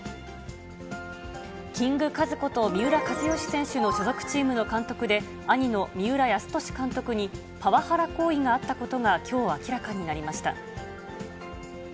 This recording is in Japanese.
キングカズこと、三浦知良選手の所属チームの監督で、兄の三浦泰年監督に、パワハラ行為があったことが、きょう明らかになりました。